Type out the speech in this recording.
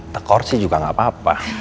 tekor sih juga gak apa apa